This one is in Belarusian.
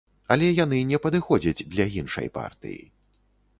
Але яны не падыходзяць для іншай партыі.